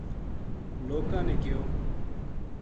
لوکاں نے کہیو